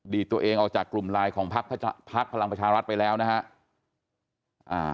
ตัวเองออกจากกลุ่มไลน์ของพักพลังประชารัฐไปแล้วนะฮะ